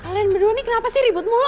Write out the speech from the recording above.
kalian berdua nih kenapa sih ribut mulu